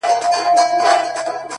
تا راته نه ويل چي نه کوم ضديت شېرينې’